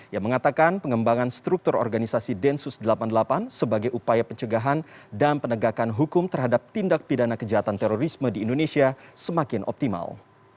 yang mengatakan pengembangan struktur organisasi densus delapan puluh delapan sebagai upaya pencegahan dan penegakan hukum terhadap tindak pidana kejahatan terorisme di indonesia semakin optimal